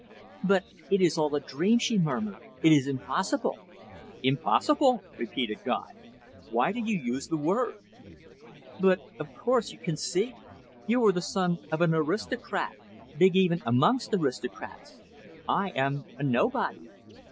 "But it is all a dream," she murmured. "It is impossible." "Impossible!" repeated Guy. "Why do you use the word?" "But, of course, you can see. You are the son of an aristocrat, big even amongst aristocrats. I am a nobody.